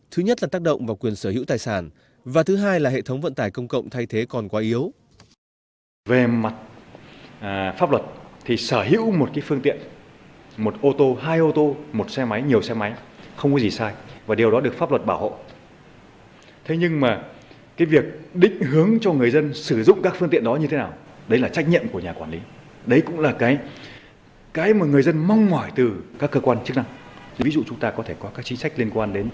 thứ nhất là tác động vào quyền sở hữu tài sản và thứ hai là hệ thống vận tài công cộng thay thế còn quá yếu